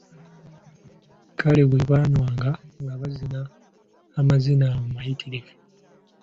Kale bwe baanywanga nga bazina amazina amayittirivu.